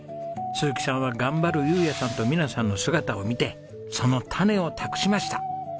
鈴木さんは頑張る雄也さんと美奈さんの姿を見てその種を託しました。